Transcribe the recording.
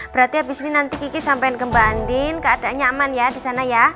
berarti abis ini nanti kiki sampein ke mbak andi keadaannya aman ya disana ya